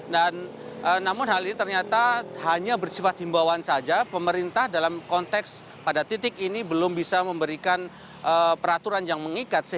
dan namun hal ini ternyata hanya bersifat himbawan saja pemerintah dalam konteks pada titik ini belum bisa memberikan peraturan yang mengikat